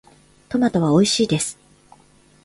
トマトはおいしいです。